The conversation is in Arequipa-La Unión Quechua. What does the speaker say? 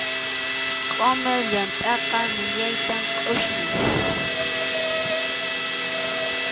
Qʼumir yamtʼaqa millaytam qʼusñin.